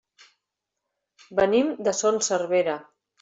Venim de Son Servera.